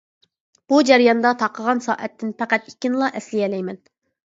بۇ جەرياندا تاقىغان سائەتتىن پەقەت ئىككىنىلا ئەسلىيەلەيمەن.